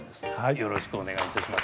よろしくお願いします。